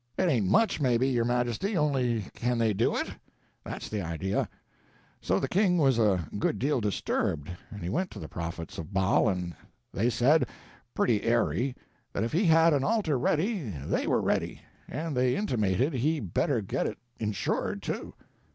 It ain't much, maybe, your majesty, only can they do it? That's the idea.' So the king was a good deal disturbed, and he went to the prophets of Baal, and they said, pretty airy, that if he had an altar ready, they were ready; and they intimated he better get it insured, too.